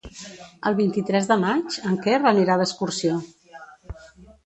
El vint-i-tres de maig en Quer anirà d'excursió.